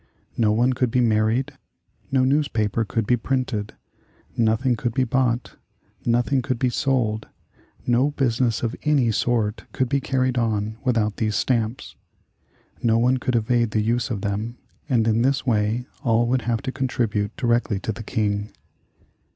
No one could be married, no newspaper could be printed, nothing could be bought, nothing could be sold, no business of any sort could be carried on without these stamps. No one could evade the use of them, and in this way all would have to contribute directly to the King.